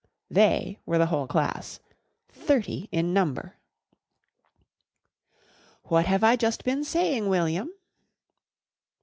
"They" were the whole class thirty in number. "What have I just been saying, William?"